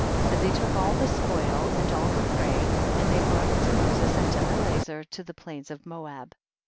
10. And they took all the spoil and all the prey, and they brought it to Moses and to Elazer to the plains of Moab.